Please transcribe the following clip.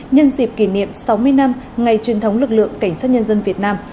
nhân dịp kỷ niệm sáu mươi năm ngày truyền thống lực lượng cảnh sát nhân dân việt nam